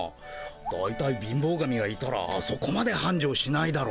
だいたい貧乏神がいたらあそこまではんじょうしないだろ。